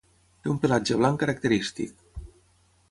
Té un pelatge blanc característic.